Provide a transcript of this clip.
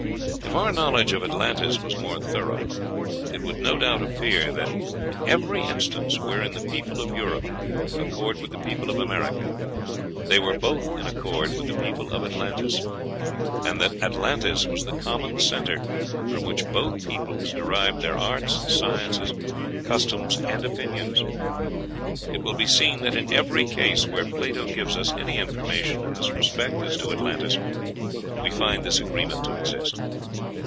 If our knowledge of Atlantis was more thorough, it would no doubt appear that, in every instance wherein the people of Europe accord with the people of America, they were both in accord with the people of Atlantis; and that Atlantis was the common centre from which both peoples derived their arts, sciences, customs, and opinions. It will be seen that in every case where Plato gives us any information in this respect as to Atlantis, we find this agreement to exist.